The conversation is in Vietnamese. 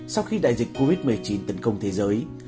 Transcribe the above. sau khi đại dịch covid một mươi chín tấn công thế giới